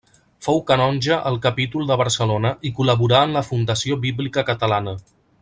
Fou canonge al capítol de Barcelona i col·laborà en la Fundació Bíblica Catalana.